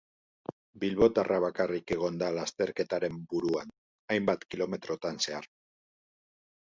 Bilbotarra bakarrik egon da lasterketaren buruan, hainbat kilometrotan zehar.